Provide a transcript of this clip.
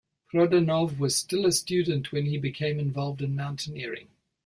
Prodanov was still a student when he became involved in mountaineering.